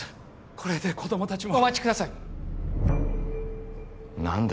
これで子供達もお待ちください何だ？